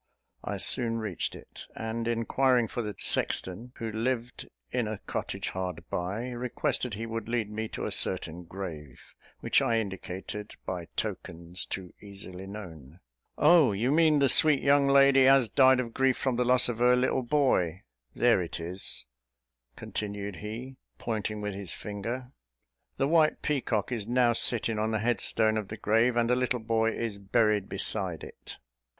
I soon reached it; and, inquiring for the sexton, who lived in a cottage hard by, requested he would lead me to a certain grave, which I indicated by tokens too easily known. "Oh, you mean the sweet young lady, as died of grief for the loss of her little boy. There it is," continued he, pointing with his finger; "the white peacock is now sitting on the headstone of the grave, and the little boy is buried beside it."